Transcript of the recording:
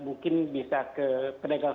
mungkin bisa ke pedagang